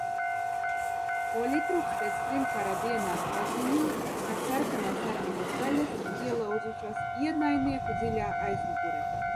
Poļitruks, pēc trim kara dienām, paziņo, ka sarkanās armijas daļas ielauzušās ienaidnieku dziļā aizmugurē.